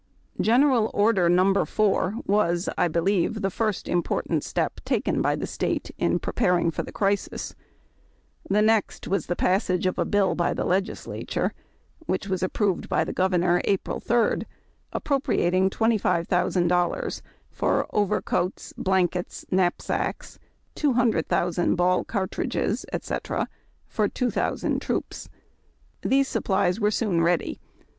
General Order No. 4 was, I believe, the first important step taken by the State in preparing for the crisis. The next was the passage of a bill by the Legislature, which was approved by the Governor April 3, appropriating $25,000 for " overcoats, blankets, knapsacks, 200,000 ball cartridges, etc., for two thousand troops." These supplies were soon ready.